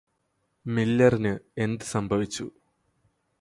മില്ലറിനു എന്ത് സംഭവിച്ചു